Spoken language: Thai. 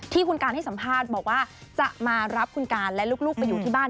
ที่คุณการให้สัมภาษณ์บอกว่าจะมารับคุณการและลูกไปอยู่ที่บ้าน